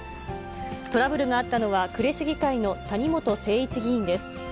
トラブルがあったのは、呉市議会の谷本誠一議員です。